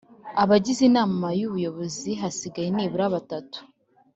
Abagize inama y ubuyobozi hasigaye nibura batanu